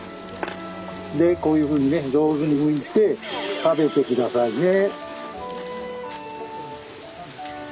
でこういうふうにね上手にむいて食べて下さいね。